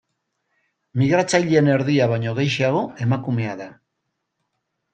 Migratzaileen erdia baino gehixeago emakumea da.